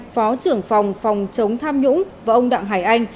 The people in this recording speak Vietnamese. phó trưởng phòng phòng chống tham nhũng và ông đặng hải anh